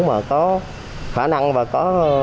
mà có khả năng và có